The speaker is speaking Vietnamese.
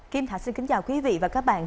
kim thạch xin kính chào quý vị và các bạn